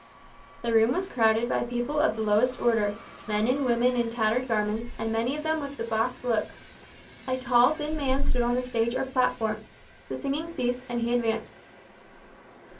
The room was crowded by people of the lowest order men and women in tattered garments, and many of them with debauched looks. A tall thin man stood on the stage or platform. The singing ceased, and he advanced.